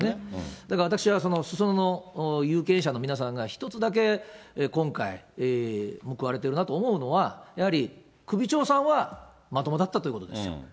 だから私は裾野の有権者の皆さんが一つだけ今回、報われてるなと思うのは、やはり首長さんはまともだったということですよ。